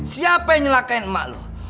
siapa yang celakain emak lo